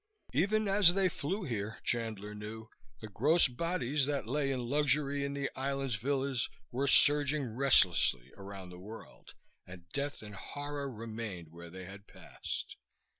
Even as they flew here, Chandler knew, the gross bodies that lay in luxury in the island's villas were surging restlessly around the world; and death and horror remained where they had passed.